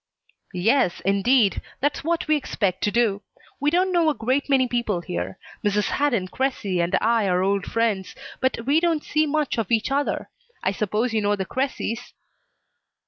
"Yes, indeed. That's what we expect to do. We don't know a great many people here. Mrs. Hadden Cressy and I are old friends, but we don't see much of each other. I suppose you know the Cressys?"